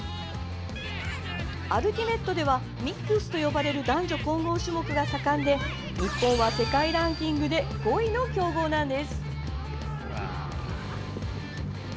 アルティメットではミックスと呼ばれる男女混合種目が盛んで日本は世界ランキングで５位の強豪なんです。